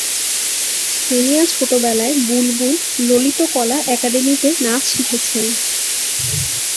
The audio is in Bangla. সোনিয়া ছোটবেলায় বুলবুল ললিতকলা একাডেমিতে নাচ শিখেছেন।